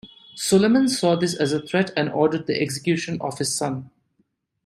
Suleiman saw this as a threat and ordered the execution of his son.